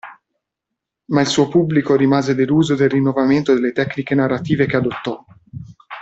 Ma il suo pubblico rimase deluso del rinnovamento delle tecniche narrative che adottò.